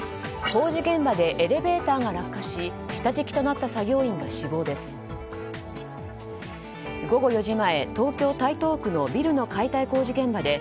工事現場でエレベーターが落下し下敷きとなった作業員が死亡です。